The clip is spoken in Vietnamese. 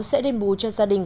sẽ đền bù cho gia đình